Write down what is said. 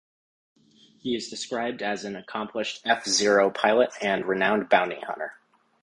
He is described as an accomplished F-Zero pilot and renowned bounty hunter.